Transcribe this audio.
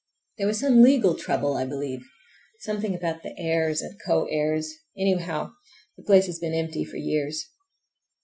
There was some legal trouble, I believe, something about the heirs and co heirs; anyhow, the place has been empty for years.